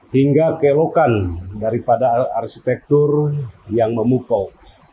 hingga kelokan daripada arsitektur yang memukau